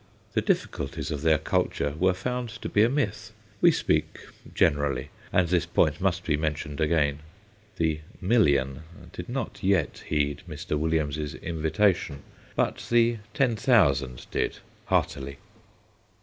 The difficulties of their culture were found to be a myth we speak generally, and this point must be mentioned again. The "Million" did not yet heed Mr. Williams' invitation, but the Ten Thousand did, heartily.